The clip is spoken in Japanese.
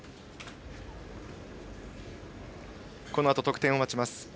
このあと得点を待ちます。